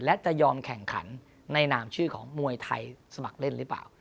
และจะยอมแข่งขันในนามชื่อของมวยไทยสมัครเล่นหรือเปล่า